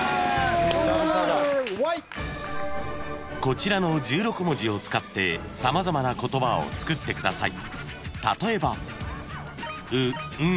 ［こちらの１６文字を使って様々な言葉を作ってください］